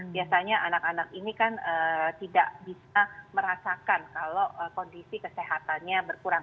biasanya anak anak ini kan tidak bisa merasakan kalau kondisi kesehatannya berkurang